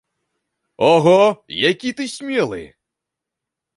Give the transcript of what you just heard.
Ого, які ты смелы!